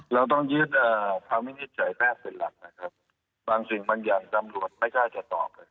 เราต้องยึดอ่าพรรณวิทย์เฉยแพร่ส่วนหลักนะครับบางสิ่งบางอย่างจำรวจไม่ใกล้จะตอบเลยครับ